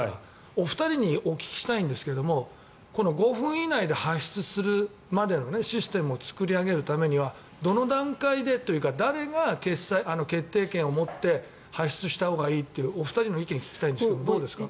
お二人にお聞きしたいんですが５分以内に発出するためのシステムを作り上げるためにはどの段階でというか誰が決定権を持って発出したほうがいいっていうお二人の意見を聞きたいんですがどうですか。